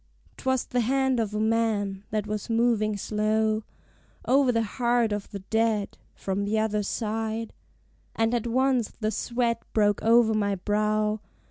'Twas the hand of a man, that was moving slow O'er the heart of the dead, from the other side: And at once the sweat broke over my brow.